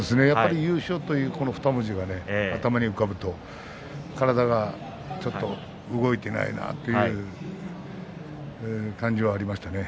優勝という２文字が頭に浮かぶと体がちょっと動いていないなという感じはありましたね。